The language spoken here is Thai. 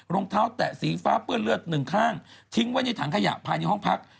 รองเท้าแตะสีฟ้าเปื้อนเลือดหนึ่งข้างทิ้งไว้ในถังขยะภายในห้องพัก